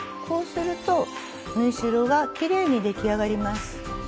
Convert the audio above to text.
こうすると縫い代がきれいに出来上がります。